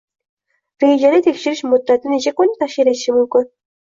Rejali tekshirish muddati necha kunni tashkil etishi mumkin?